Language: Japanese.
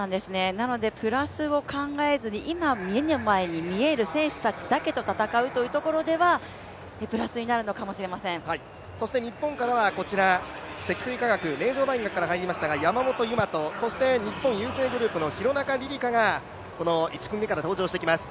プラスを考えずに、今、目の前に見える選手たちだけと戦うというところでは日本からは積水化学、名城大学から入りましたが、山本有真とそして日本郵政グループの廣中璃梨佳が１組目から登場してきます。